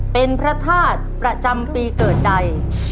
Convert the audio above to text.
เป็นพระธาตุประจำปีเกิดใด